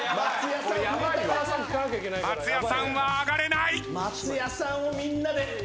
松也さんをみんなで。